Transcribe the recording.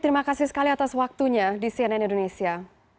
terima kasih sekali atas waktunya di cnn indonesia